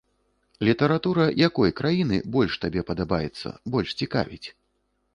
Літаратура якой краіны больш табе падабаецца, больш цікавіць?